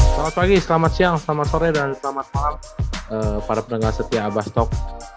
selamat pagi selamat siang selamat sore dan selamat malam para penengah setia abah stok